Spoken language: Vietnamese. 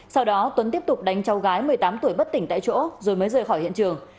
sau đó tuấn tiếp tục đánh cháu gái một mươi tám tuổi bất tỉnh tại chỗ rồi mới rời khỏi hiện trường